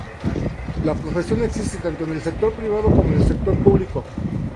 La profesión existe tanto en el sector privado como en el público.